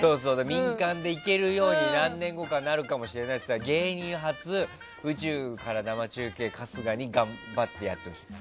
民間で行けるように何年後かになるかもしれないって言ったら芸人初宇宙から生中継を春日に頑張ってやってほしいの。